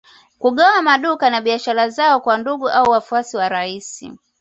Kugawa maduka na biashara zao kwa ndugu au wafuasi wa rais